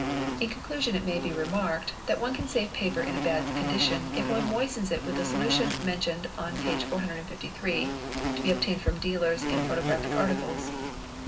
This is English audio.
| In conclusion it may be remarked, that one can save paper in a bad — condition if one moistens it with the solution mentioned on p. 453 (to be — obtained from dealers in photographic articles).